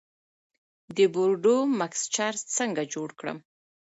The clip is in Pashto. د بورډو مکسچر څنګه جوړ کړم؟